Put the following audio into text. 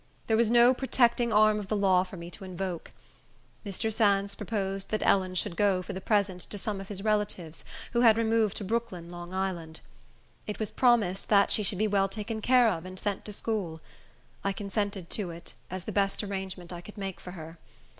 There was no protecting arm of the law for me to invoke. Mr. Sands proposed that Ellen should go, for the present, to some of his relatives, who had removed to Brooklyn, Long Island. It was promised that she should be well taken care of, and sent to school. I consented to it, as the best arrangement I could make for her.